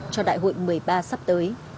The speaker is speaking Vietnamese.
cho đại hội một mươi ba sắp tới